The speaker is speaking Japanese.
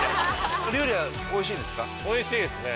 おいしいですね。